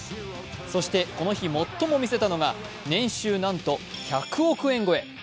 そして、この日最も見せたのが年収なんと１００億円超え。